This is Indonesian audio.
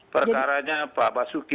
perkaranya pak basuki